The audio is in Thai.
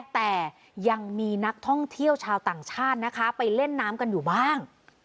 แต่ยังมีนักท่องเที่ยวชาวต่างชาตินะคะไปเล่นน้ำกันอยู่บ้าง